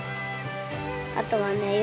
あとはね。